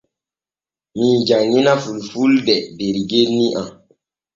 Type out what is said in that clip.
Mii janŋina fulfulde der genni am.